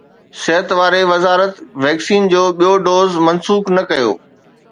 صحت واري وزارت ويڪسين جو ٻيو دوز منسوخ نه ڪيو